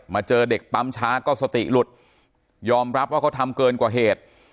เจอเด็กปั๊มช้าก็สติหลุดยอมรับว่าเขาทำเกินกว่าเหตุ